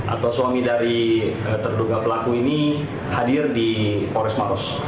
atau suami dari terduga pelaku ini hadir di pores maros